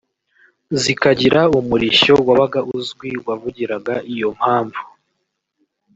zikagira umurishyo wabaga uzwi wavugiraga iyo mpamvu